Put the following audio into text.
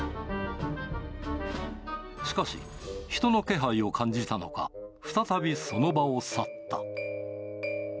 しかし、人の気配を感じたのか、再びその場を去った。